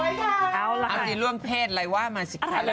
อะไรร่วมเพศไรวะอะไรร่วมเพศ